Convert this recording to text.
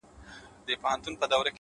په اورېدو يې زما د زخم زړه ټکور غورځي;